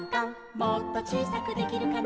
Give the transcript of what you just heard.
「もっとちいさくできるかな」